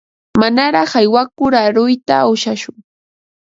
Manaraq aywakur aruyta ushashun.